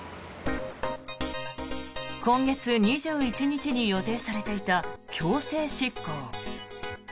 今月２１日に予定されていた強制執行。